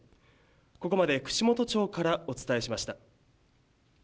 ここまで串本町からお伝えしました。